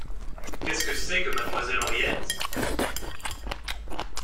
Qu’est-ce que c’est que mademoiselle Henriette ?